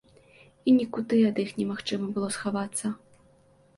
І нікуды ад іх немагчыма было схавацца.